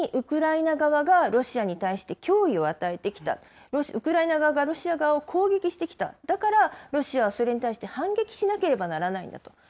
常にウクライナ側がロシアに対して脅威を与えてきた、ウクライナ側がロシア側を攻撃してきた、だから、ロシアはそれに対して反撃しなければならないんだと。